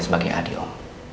sebagai adik om